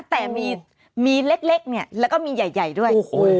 แต่มีเล็กเนี่ยแล้วก็มีใหญ่ด้วย